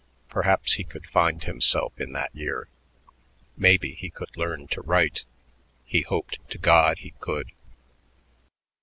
Perhaps he could find himself in that year. Maybe he could learn to write. He hoped to God he could.